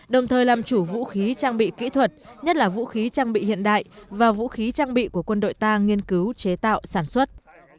đồng thời làm chủ vũ khí trang bị kỹ thuật nhất là vũ khí trang bị hiện đại và vũ khí trang bị của quân đội ta nghiên cứu chế tạo sản xuất